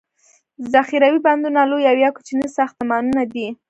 ذخیروي بندونه لوي او یا کوچني ساختمانونه دي.